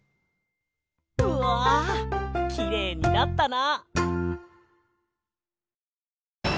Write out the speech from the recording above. うわきれいになったな！